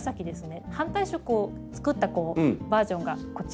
反対色をつくったバージョンがこちら。